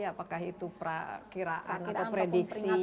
apakah itu perkiraan atau prediksi